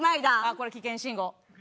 これ危険信号。